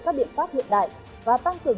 các biệt pháp hiện đại và tăng cường